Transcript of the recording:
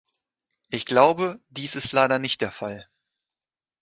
Ich glaube, dies ist leider nicht der Fall.